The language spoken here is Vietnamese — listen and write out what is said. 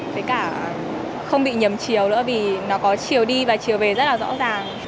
với cả không bị nhầm chiều nữa vì nó có chiều đi và chiều về rất là rõ ràng